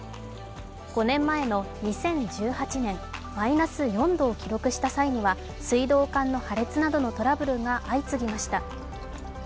５年前の２０１８年、マイナス４度を記録した際には水道管の破裂などのトラブルが相次ぎました。